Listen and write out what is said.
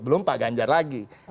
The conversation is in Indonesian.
belum pak ganjar lagi